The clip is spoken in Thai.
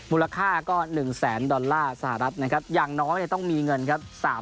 มูลค่าก็๑๐๐๐๐๐ดอลลาร์สหรัฐนะครับ